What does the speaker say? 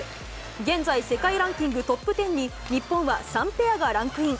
現在世界ランキングトップ１０に日本は３ペアがランクイン。